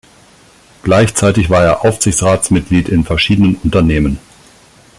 Gleichzeitig war er Aufsichtsratsmitglied in verschiedenen Unternehmen.